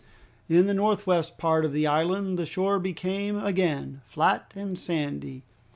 In the northwest part of the island the shore became again flat and sandy.